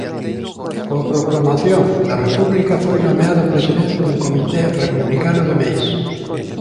Coa proclamación da República foi nomeado presidente dun comité republicano de Meis.